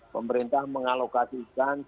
pemerintah mengalokasikan sebesar ini